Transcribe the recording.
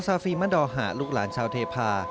คอร์ซาฟิมะดอหะลูกหลานชาวเทพา